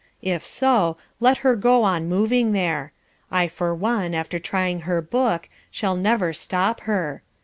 If so, let her go on moving there. I for one, after trying her book, shall never stop her.